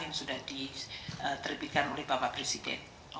yang sudah diterbitkan oleh bapak presiden